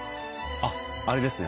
あっあれですね。